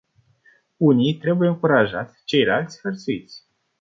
Unii trebuie încurajați, ceilalți hărțuiți.